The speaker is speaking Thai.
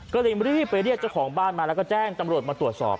ก็เลยรีบไปเรียกเจ้าของบ้านมาแล้วก็แจ้งตำรวจมาตรวจสอบ